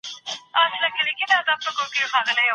ولي د شخړو اثبات ته اړتيا نسته؟